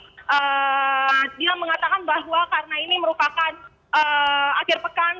jadi dia mengatakan bahwa karena ini merupakan akhir pekan